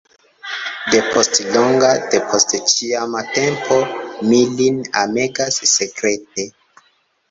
Depost longa, depost ĉiama tempo, mi lin amegas sekrete.